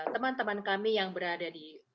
teman teman kami yang berada di